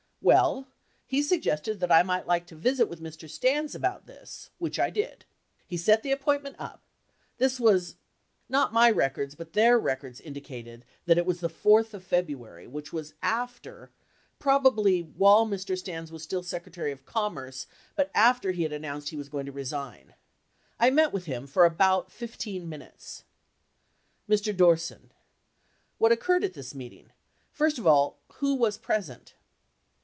Well, he suggested that I might like to visit with Mr. Stans about this, which I did. He set the appointment up. This was — not my records but their records indicated that it was the 4th of February, which was after — probably while Mr. Stans was still Secretary of Commerce, but after he had announced he was going to resign. I met with him for about 15 minutes. Mr. Dorset*. What occurred at this meeting? First of all, who was present